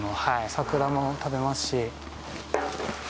桜も食べますし。